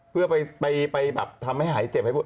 เพื่อไปทำให้หายเสร็จ